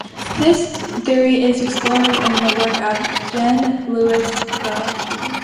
This theory is explored in the work of Jean-Louis Baudry.